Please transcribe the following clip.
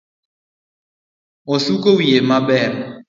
Osuko wiye maber